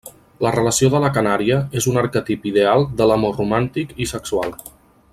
La relació de la Canària és un arquetip ideal de l'amor romàntic i sexual.